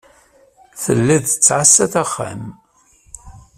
Telliḍ tettɛassaḍ axxam.